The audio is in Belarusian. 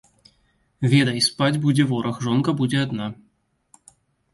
Ведай, спаць будзе вораг, жонка будзе адна.